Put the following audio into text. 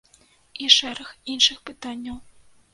І шэраг іншых пытанняў.